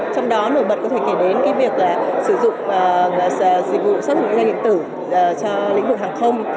trong đó nổi bật có thể kể đến việc sử dụng dịch vụ xuất khẩu định danh điện tử cho lĩnh vực hàng không